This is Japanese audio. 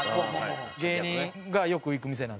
芸人がよく行く店なんですけど。